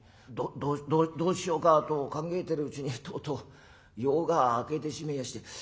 どどどどうしようかと考えてるうちにとうとう夜が明けてしめえやして。